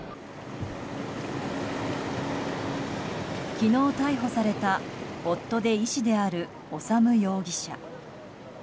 昨日逮捕された夫で医師である修容疑者。